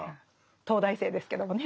東大生ですけどもね。